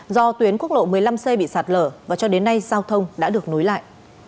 do tuyến quốc lộ một mươi năm c bị sạt lở và cho đến nay giao thông đã được nối lại